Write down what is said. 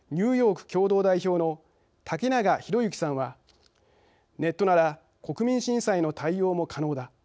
ＮＹ共同代表の竹永浩之さんは「ネットなら国民審査への対応も可能だ。